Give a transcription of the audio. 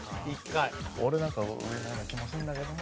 俺なんか上のような気もするんだけども。